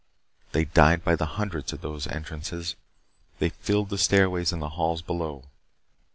They died by the hundreds at those entrances. They filled the stairways and the halls below.